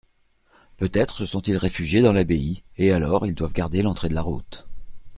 Peut-être se sont-ils réfugiés dans l'abbaye, et alors ils doivent garder l'entrée de la route.